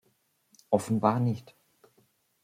Offenbar nicht.